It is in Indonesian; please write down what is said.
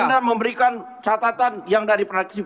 anda memberikan catatan yang dari fraksi pks